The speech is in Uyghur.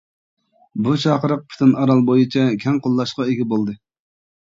بۇ چاقىرىق پۈتۈن ئارال بويىچە كەڭ قوللاشقا ئىگە بولدى.